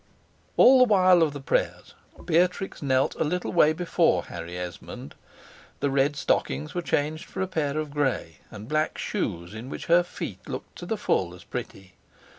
All the while of the prayers, Beatrix knelt a little way before Harry Esmond. The red stockings were changed for a pair of gray, and black shoes, in which her feet looked to the full as pretty.